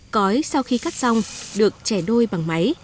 cõi sau khi cắt xong được chẻ đôi bằng máy